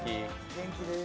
元気でーす。